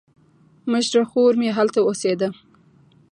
مشره خور مې هلته اوسېده.